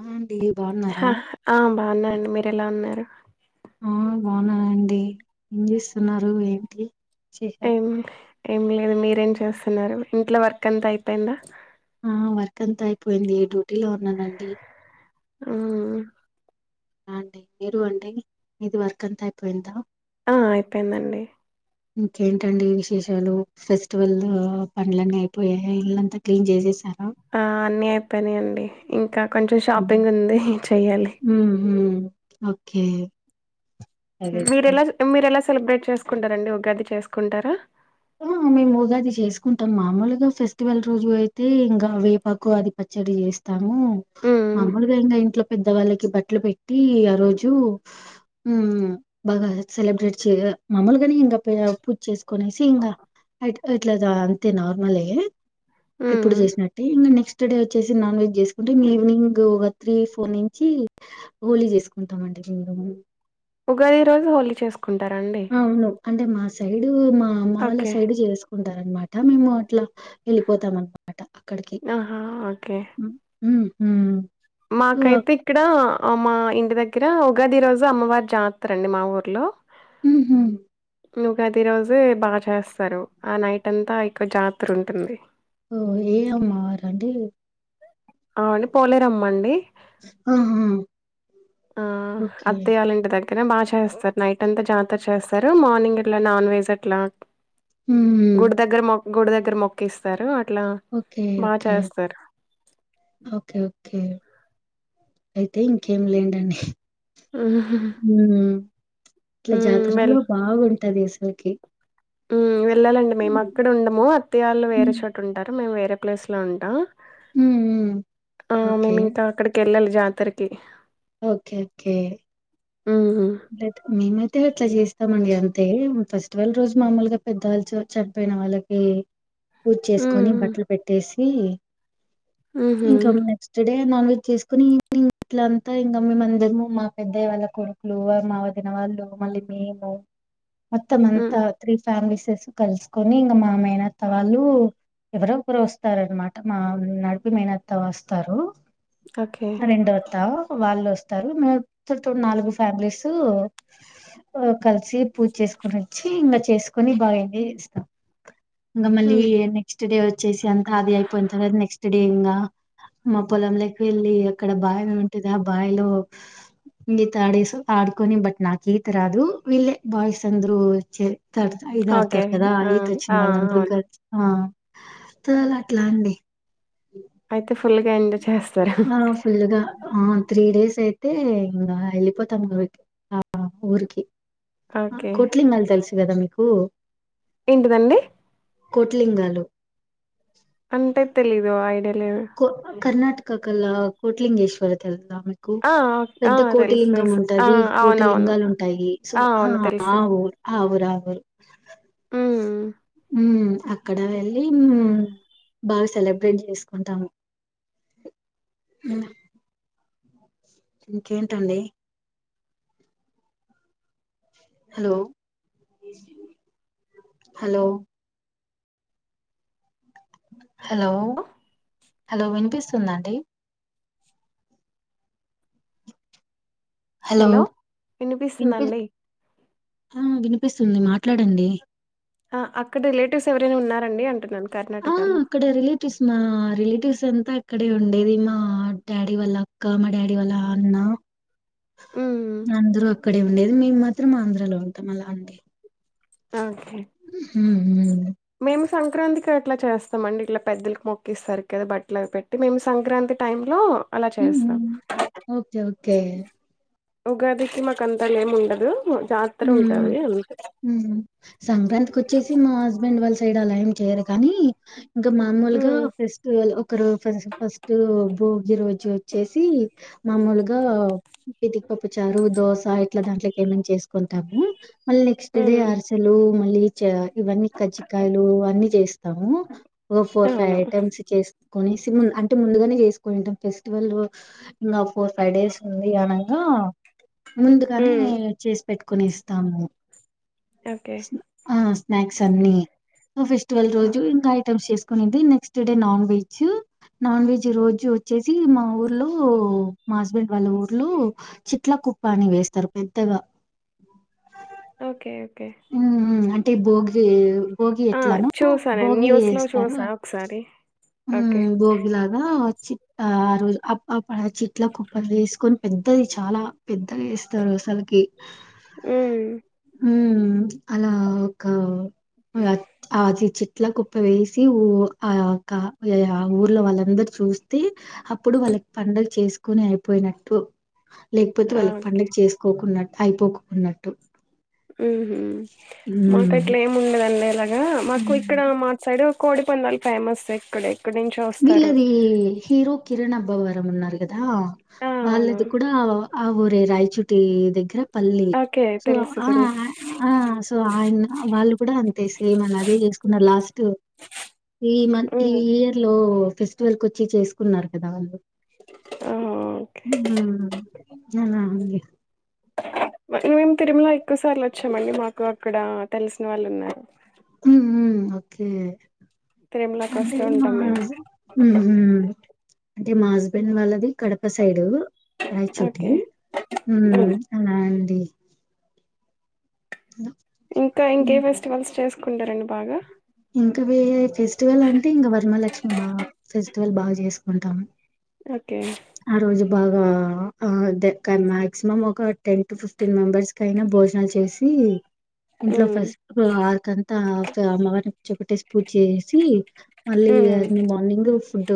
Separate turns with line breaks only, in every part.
ఆ బాగున్నారా
ఆ ఆ బాగున్నాండి మీరు ఎలా ఉన్నారు
ఆ బాగున్నానండి ఏం జేస్తున్నారు ఏంటి చేసారు
ఏం ఏం లేదు మీరేం చేస్తున్నారు ఇంట్లో వర్క్ అంత అయిపోయిందా
ఆ వర్క్ అంతా అయిపోయింది డ్యూటీలో ఉన్నానండి
ఆ
అండి మీరు అండి మీది వర్క్ అంత అయిపోయిందా
ఆ అయిపోయిందండి
ఇంకేంటండి విశేషాలు ఫెస్టివల్ పనులన్నీ అయిపోయాయ ఇల్లంతా క్లీన్ చేసేసా
ఆ అన్ని అయిపోయానాయండి ఇంకా కొంచెం షాపింగ్ ఉంది చెయ్యాలి
హుహు ఓకే అదైతే
మీరెలా మీరెలా సెలబ్రేట్ చేసుకుంటారండి ఉగాది చేసుకుంటారా
ఆ మేము ఉగాది చేసుకుంటాం మామూలుగా ఫెస్టివల్ రోజు అయితే ఇంగా వేపాకు అది ప పచ్చడి చేస్తాము
మ్మ్
మామలుగా ఇంగ ఇంట్లో పెద్దవాళ్ళకి బట్టలు పెట్టి ఆ రోజు బాగా సెలబ్రేట్ చెయ మామూలుగాని ఇంకా పూజ చేసుకొని చింగా అ అట్లా అంతే నార్మలే ఎప్పుడు
మ్మ్
చేసినట్టే ఇంగా నెక్స్ట్ డే వచ్చేసి నాన్ వెజ్ చేసుకుంటే ఈవినింగ్ ఒక త్రీ ఫోర్ నుంచి హోలీ చేసుకుంటామండి ఉ
ఉగాది రోజు హోలీ చేసుకు
అవును అంటే మా సైడు మా అమ్మ వాళ్ళ
ఓకే
సైడ్ చేసుకుంటారన్నమాట మేము అట్లా వెళ్ళిపోతాం అన్నమాట అక్కడికి
ఆహా ఓకే
ఉ ఉహు
మాకైతే ఇక్కడ మా ఇంటి దగ్గ ర ఉగాది రోజు అమ్మవారి జాతరండి మా ఊర్లో
ఉహు
ఉగాది రోజే బాగా చేస్తారు ఆ నైట్ అంతా ఇక్కువ జాతర ఉంటుంది
ఓ ఏ అమ్మ రండి
ఆ అండి పోలేరుమ్మండి
ఆహా!
ఆ
ఓకే.
అత్తయ్య వాళ్ళ ఇంటి దగ్గ ర బాగా చేస్తారు నైట్ అంతా జాతర చేస్తారు మార్నింగ్ ఇట్లా నాన్ వెజ్ అట్లా
హుహుమ్
గుడి దగ్గర మొ గుడి దగ్గర మొక్కి ఇస్తారు
ఓకే ఓకే ఓకే ఓకే అయితే ఇంకేం లేదండి ఇట్లా
హ్మ్
జాతర లో
వెల్
బాగుంటది అసలికి
వెళ్ళాలండి మేము అక్కడ ఉండము అత్త్య వాళ్ళు వేరే
హ్మ్.
చోటు ఉంటారు మేము వేరే ప్లేస్ లో ఉంటాం
హ్మ్. హ్మ్.
ఆ
ఓకే.
మేమి ఇంకా అక్కడికి వెళ్ళాలి జాతరకి
ఓకే ఓకే
హ్మ్. హ్మ్.
మేమే ఇగ ఇట్లా చేస్తామండి అంతే ఫెస్టివల్ రోజు మామూలుగా పేదవాళ్ళు చనిపోయిన వాళ్ళకి పూజ చేసుకొని
హ్మ్.
బట్టలు పెట్టేసి
హుహు.
ఇంకా నెక్స్ట్ డే నాన్ వెజ్ చేసుకొని ఇట్లంతా ఇంగా మేమందరము మా పెద్దయ్య వాళ్ళ కూడా మా వదిన వాళ్ళు మళ్ళీ మేము మొత్తం
హ్మ్.
అంతా త్రీ ఫ్యామిలీస్ కలుసుకొని ఇంగా మామేనత్త వాళ్ళు ఎవరొ ఒకరు వస్తారన్నమాట మా నడిపి మేనత్తా వస్తారు
ఓకే.
రెండో అత్తా వాళ్ళు వస్తారు మేం మొత్తం నాలుగు ఫ్యామిలీసు కలిసి పూజ చేసుకోని వచ్చి ఇంగా చేసుకొని బాగా ఎంజాయ్ చేస్తాం ఇంగా
హ్మ్.
మళ్ళీ నెక్స్ట్ డే వచ్చేసి అంత అది అయిపోయిన తర్వాత నెక్స్ట్ డే ఇంగా మా పొలంకి వెళ్ళి అక్కడ బావి ఉంటది ఆ బావిలో తాడేసి ఆడుకొని బట్ నాకు ఈత రాదు విళ్లే బాయ్స్ అందరూ చే త ఇ
ఓకే.
ఆడతారు కదా
ఆ!
ఈత వచ్చిన
ఆ!
వాళ్లు అందరూ
అవును.
కలిసి అట్లా అండి
అయితే ఫుల్గా ఎంజాయ్ చేస్
ఆ ఫుల్గా ఆ త్రీ డేస్ అయి అతే ఇంగ వెళ్ళిపోతాము ఊరికి ఆ ఊరికి
ఓకే.
కొట్లింగాలి అనీ తెలిసి కదా మీకు
ఏంటిదండి
కోట్లింగాలు
అంటే తెలీదు ఐడి
కర్ణటకకెలా కోటిలింగేశ్వర తెల్ మీకు
ఆ! ఆ!
పెద్ద
తెలుసు.
కోటిలింగం
తెలుసు. ఆ!
ఉంటది కోటి
అవునవును.
లింగాలు ఉంటాయి సో
ఆ! అవును. తెలుసు.
ఆవురావురు
హ్మ్.
అక్కడ వెళ్ళి బాగా సెలబ్రేట్ చేసుకుంటాము అ ఇంకేంటండి హలో హలో హలో హలో వినిపిస్తుందా అండి హలో వినిపిస్
వినిపిస్తుందండి.
ఆ విని పిస్తుంది మాట్లాడండి
ఆ అక్కడ రిలేటివ్స్ ఎవరైనా ఉన్నారండి అంటున్నాను
అవును
కర్ణాటకలో?
అక్కడ రిలేటివ్స్ మా రిలేటివ్స్ అంతా అక్కడే ఉండేది మా డాడీ వాళ్ళ అక్క మా డాడీ వాళ్ళ అన్న
ఊమ్
అందరూ అక్కడే ఉండేది మేము మాత్రం ఆంధ్రాలో ఉంటాం ఇగ అండి
ఓకే
ఉమ్ ఉమ్
మేము సంక్రాంతికి అట్లా చేస్తామండి ఇట్లా పెద్దలకు మొక్కిస్తరు కదా బట్టల అవి పెట్టి మేము సంక్రాంతి టైంలో అలా
హుహు.
చేస్తాం
ఓకే. ఓకే.
ఉగాదికి మాకంత ఏమి ఉండదు
ఊమ్ ఊమ్ సంక్రాంతికి వచ్చేసి మా హస్బెండ్ వాళ్ల సైడ్ అలా ఏం చేయరు కానీ ఇంకా మామూలుగా
హ్మ్
ఫెస్టివల్ ఒక రోజు ఫస్ ఫస్ట్ భోగి రోజు వచ్చేసి మామూలుగా పితికపప్పు చారు దోస ఇట్లా దాంట్ల ఏమనా చేసుకుంటాము మళ్ళీ నెక్స్ట్ డే
హ్మ్
అర్సలు మునిగ చ ఇవన్నీ కజ్జికాయలువన్నీ జేస్తాము ఒక ఫోర్ ఫైవ్
అవును.
ఐటమ్స్ చేస్ కొనేసి అంటే ముందుగానే చేసుకుంటాం ఫెస్టివల్ ఇంకా ఫోర్ ఫైవ్ డేస్ ఉంది అనంగా
[inaudible]
ముందుగానే
హ్మ్.
చేసి పెట్టుకుని ఇస్తాము
ఓకే.
స ఆ స్నాక్స్ అన్ని ఫెస్టివల్ రోజు ఇంకా ఐటెమ్స్ చేస్ కొనింది next day non veg non veg రోజు వచ్చేసి మా ఊర్లో మా హస్బెండ్ వాళ్ళ ఊర్లో చిట్ల కుప్పని వేస్తారు పెద్దగా
ఓకే ఓకే
ఇ [unintelligible]
ఆ చూసానండి న్యూస్ లో చూసా ఒకసారి ఓకే
ఆ చి ఆ రోజు అ అ ప్ప చెట్లకు కుప్పలు ఏసుకొని పెద్దది చాలా పెద్దగా ఏస్ తరు అసలకి
ఊమ్
ఊమ్ అలా ఒక ఉం ఆ అది చెట్ల కుప్ప వేసి ఊ ఆ క ఇగ ఆ ఊర్లో వాళ్ళందరు చూస్తే అప్పుడు వాళ్ళకి పండగ చేస్ కుని అయిపోయినట్టు లేకపోతే వాళ్ళకి
ఓకే.
పండగ చేసుకోకున్నట్టు అయిపోకుకున్నట్టు
ఊమ్ మాకు అట్లా ఏం ఉండదండి అలాగా మాకు ఇక్కడ
హ్మ్.
మా సైడు కోడి పందాల్ ఫేమస్సే ఇక్కడే
వీళ్ళది హీరో కిరణ్ అబ్బవరం ఉన్నారు కదా దా
ఆ! అవును.
వాళ్ళది కూడా ఆ ఊరే రాయిచుటి దగ్గర పల్లి
ఓకే.
సో
తెలుసు.
ఆ
తెలుసు.
ఆ సో ఆయన వాళ్ళు కూడా అంతే సేమ్ అలాగే చేసుకున్నారు లాస్ట్ ఈ మ ఈ
హ్మ్.
ఈ ఇయర్ ఒ ఫెస్టివల్ కొచ్చే చేసుకున్నారు కదా ఆళ్ళు
ఓహో! ఓకే.
ఊమ్ ఆ
మేము తిరుమల ఎక్కువ సార్లు వచ్చామండి మాకు అక్కడ తెలిసిన వాళ్ళు ఉన్నారు
ఊహ్మ్ ఓకే అంటే
తిరుమలకొస్తూ
మా
ఉంటాం మేము.
హస్ ఊహ్మ్ అంటే మా హస్బెండ్ వాళ్ళది కడప సైడు రయచూటి
ఓకే.
ఊమ్
హ్మ్.
ఆ అండి
ఇంకా ఇంకే
హ్మ్.
ఫెస్టివల్స్ చేసుకుంటారండి బాగా
టువె ఫెస్టివల్ అంటే ఇంకా వరమాలక్ష్మి బాగా ఫెస్టివల్ బాగా చేసుకుంటాము
ఓకే
ఆ రోజు బాగా ఆ మాక్సిమం ఒక టెన్ టు ఫిఫ్టీన్ మెంబర్స్ కైనా బ భోజనాలు చేసి ఇంట్లో
ఉమ్
ఫస్ట్ ఆరకంతా అమ్మవారిని కూర్చోపేట్టేసి పూజ చేసి మళ్ళీ
ఉమ్
ఏర్లీ మార్నింగ్ ఫుడ్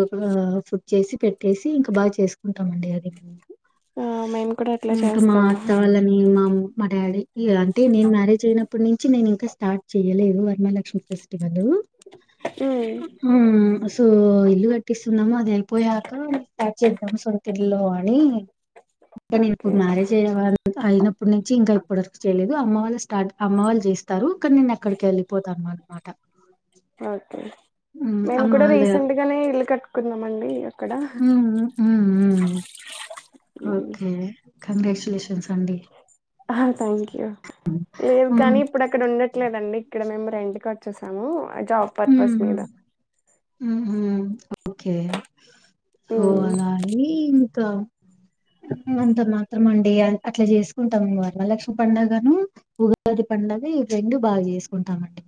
ఫుడ్ చేసి పెట్టేసి ఇంకా బాగా చేసుకుంటామండి అది
ఆ మేము కూడా అట్లా
ఇంకా మా
చేస్తాము
అత్త వాళ్ళని మా మా డాడీ అంటే నేను మ్యారేజ్ అయినప్పటి నుంచి నేను ఇంకా స్టార్ట్ చేయలేదు వరమాలక్ష్మి ఫెస్టివల్ వాల్
ఉమ్
సో ఇల్లు కట్టిస్తున్నాము ఇది అయిపోయాక స్టార్ట్ చేద్దాం సొంతిల్లు అని ఇంకా నేను
ఓకే
ఇప్పుడు మ్యారేజ్ అయ్యవా అయినప్పటి నుంచి ఇంకా ఇప్పటి వరకు చేయలేదు అమ్మ వాళ్ళు స్టార్ట్ అమ్మ వాళ్ళు చేస్తారు కానీ నిేను అక్కడికి వెళ్ళిపోతా అన అనమాట
ఓకే
హ్మ్.
మేము
అమ్మ
కూడా
వాళ్ళే
రీసెంట్ గానే ఇల్లు కట్టుకున్నాం అండి అక్కడ
హ్మ్. హ్మ్. హ్మ్. ఓకే కంగ్రాచులేషన్స్
ఆ థ్యాంక్ యు లేదు
హ్మ్.
కానీ ఇప్పుడు అక్కడ ఉండట్లేదండి ఇక్కడ మేము రెంట్ కచ్చేసాము జాబ్ పర్పస్ మీద
ఉహు ఓకే సో
ఉమ్
అలా అని అంత మా ఉత్రమండి అట్లా చేసుకుంటాం వరలక్ష్మి పండుగను ఉగాది పండుగ ఈ రెండు బాగా చేసుకుంటామండి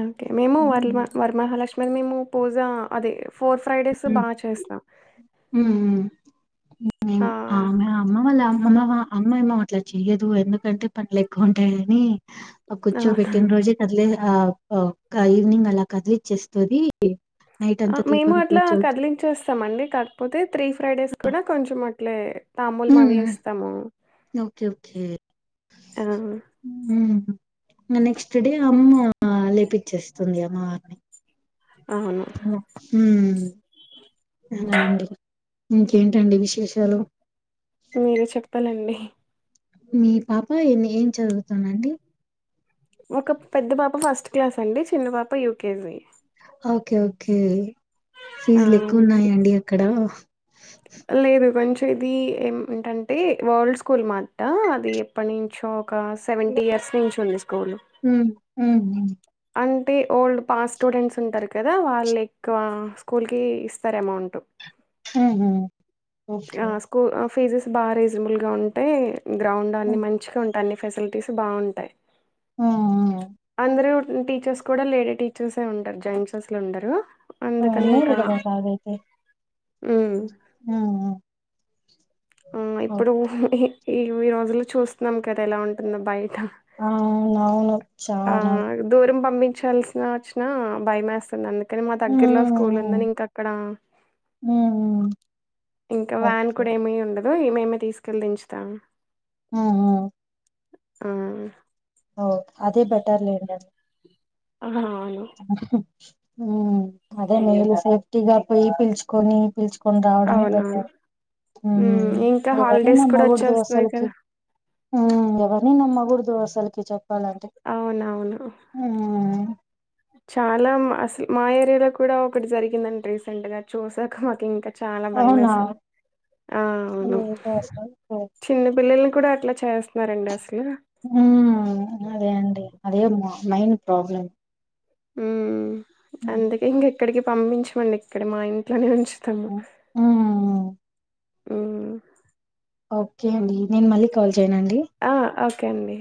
ఓకే మేము వర్
హ్మ్.
వరమహాలక్ష్మిని మేము పూజ అదే ఫోర్ ఫ్రైడేస్
హ్మ్.
బాగా చేస్తాం
హ్మ్.
ఆ
ఆమె అమ్మ వాళ్ళ అమ్ అమ్మ అమ్మ అమ్మ అట్లా చెయ్యదు ఎందుకంటే పనులు ఎక్కువ ఉంటాయిని
అవునా
కూర్చోబెట్టిన రోజే కదిలే ఆ ఈవినింగ్ అలా కదిలిచ్చేస్తుకొని నైట్
ఆ!
అంతా
మేము
దీపం
అట్లా
పేర్చొచ్చు
కదిలించేస్తామండి కాకపోతే త్రీ ఫ్రైడేస్ కూడా కొంచెం అట్లే తాంబూలం అవి
హ్మ్మ్
ఇస్తాము.
ఓకే ఓకే
ఆ!
హ్మ్మ్ నెక్స్ట్ డే అమ్మ లేపిచ్చేస్తుంది అమ్మవారిని
అవును.
హూ అలా అండి ఇంకేంటండి విశేషాలు
మీరే చెప్పాలండి
మీ పాప ఎన్ని ఏం చదువుతుంది అండి
ఒక పెద్ద పాప ఫస్ట్ క్లాస్ అండి చిన్న పాప యూకేజీ
ఓకే ఓకే
ఆ!
ఫీజులు ఎక్కువ ఉన్నాయండి అక్కడ
లేదు కొంచం ఇది ఏంటంటే వరల్డ్ స్కూల్ మాట అది ఎప్పటి నుంచో ఒక సెవెంటీ ఇయర్స్ నుంచి ఉంది స్కూల్
హ్మ్ హ్మ్
అంటే ఓల్డ్ పాస్ స్టూడెంట్స్ ఉంటరు కదా వాళ్ళు ఎక్కువ స్కూల్కి ఇస్తరు అమౌంట్
ముహు
ఆ స్కూల్ ఫీజెస్ బాగా రీజనబుల్ గా ఉంటాయి గ్రౌండ్ అన్ని
హ్మ్.
మంచిగా ఉంటాయిన్ని ఫెసిలిటీస్ బాగుంటాయి
ఆ
అందర టీచర్స్ కూడ లేడీ టీచర్స్ ఉంటారు జెంట్స్ అసలు ఉండరు
ఆ మేలుగద సాగైతే
హ్మ్.
ము ము
ఆ ఇప్పుడు ఈ ఈ రోజులో చూస్తున్నం కదా ఎలా ఉంటుందో బయట
ఆ అవు అవునవును చాన
చల్సిన వచ్చినా భయమేస్తుంది అందు అ కాని మా దగ్గరలో స్కూల్
హ్మ్
ఉందని ఇంక అక్కడ
హ్మ్ హ్మ్.
ఇంక వ్యాన్
ఓకే
కూడ ఏమి ఉండదు ఈ మేమి తీసుకెళ్లి దించుతాం
ము ము
ము
ఓ అదే బెటర్ లేండి
ఆహా! అవును.
ఉమ్ అదే మేలు సేఫ్టీగా పోయి పిలుచుకొని పిలుచుకొని రావడమే
అవునవును.
బెటర్
హ్మ్. ఇంకా
ఎవరిని
హాలిడేస్ కూడా
నమ్మకూడదు
వచ్చేస్తున్నాయి కదా!
అసలికి ఉమ్ ఎవరిని నమ్మకూడదు అసలుకి చెప్పాలంటే
అవునవును.
మ్
చాలా అసలు మా ఏరియాలో కూడాఒకటి జరిగిందండి రీసెంట్ గా చూసాక మాకు ఇంక చాలా
అవునా
భయమేసింది ఆ అవును
ఏదో అసలు
చిన్న పిల్లల కూడ అట్ల చేస్తున్నారండి అసలు
ఉమ్ అదే అండి అదే మైన్ ప్రాబ్లం
ఉమ్ అందుకే ఇంక ఎక్కడికి పంపించమండి ఇక్కడ మా ఇంట్లోనే ఉంచు
ఉమ్
మ్
ఓకే అండి నేను మళ్ళీ కాల్ చేయనండీ
ఆ! ఓకే అండి